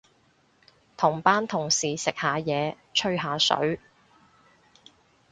同班同事食下嘢，吹下水